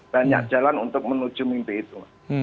banyak jalan untuk menuju mimpi itu